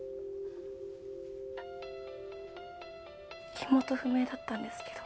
火元不明だったんですけど。